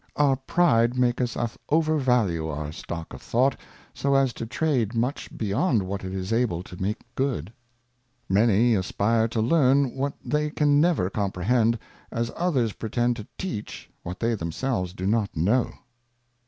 Our Pride maketh us over value our Stock of Thought, so as to trade much beyond what it is able to make good. Many aspire to learn what they can never comprehend, as others pretend to teach what they themselves do not know.